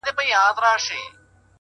هره ستونزه د حل وړ ده,